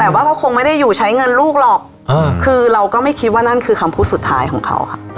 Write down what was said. แต่ว่าเขาคงไม่ได้อยู่ใช้เงินลูกหรอกคือเราก็ไม่คิดว่านั่นคือคำพูดสุดท้ายของเขาค่ะ